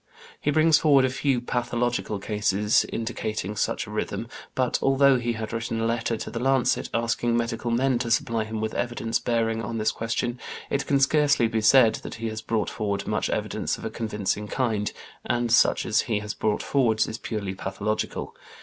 He brings forward a few pathological cases indicating such a rhythm, but although he had written a letter to the Lancet, asking medical men to supply him with evidence bearing on this question, it can scarcely be said that he has brought forward much evidence of a convincing kind, and such as he has brought forward is purely pathological.